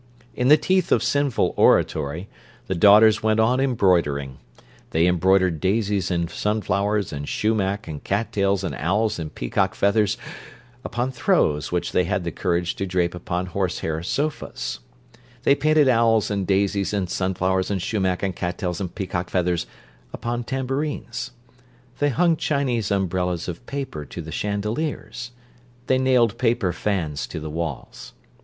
In the teeth of sinful oratory, the daughters went on embroidering: they embroidered daisies and sunflowers and sumac and cat tails and owls and peacock feathers upon "throws" which they had the courage to drape upon horsehair sofas; they painted owls and daisies and sunflowers and sumac and cat tails and peacock feathers upon tambourines. They hung Chinese umbrellas of paper to the chandeliers; they nailed paper fans to the walls.